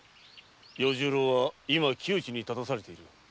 与十郎は今窮地に立たされている。